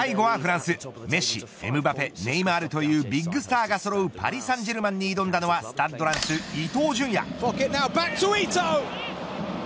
最後はフランスメッシ、エムバペ、ネイマールというビッグスターがそろうパリ・サンジェルマンに挑んだのはスタッドランス、伊東純也。